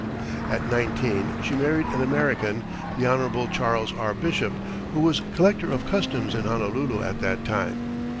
At nineteen she married an American, Hon. Charles R. Bishop, who was collector of customs in Honolulu at that time.